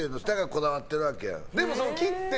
こだわっているわけよ。